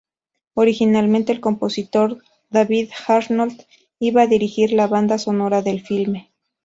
Originalmente, el compositor David Arnold iba a dirigir la banda sonora del filme.